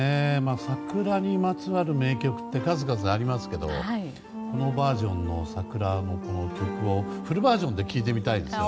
桜にまつわる名曲って数々ありますけどこのバージョンの曲をフルバージョンで聴いてみたいですよね。